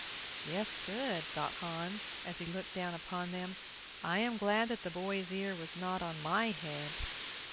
"Yes, good," thought Hans, as he looked down upon them; "I am glad that the boy's ear was not on my head."